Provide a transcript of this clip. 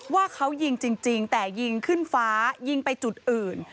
ว่าเขายิงจริงแต่ยิงขึ้นฟ้ายิงไปจุดอื่น